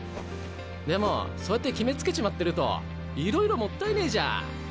でもそうやって決めつけちまってるといろいろもったいねえじゃ。